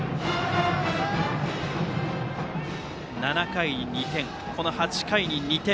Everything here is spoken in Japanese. ７回に２点、８回に２点。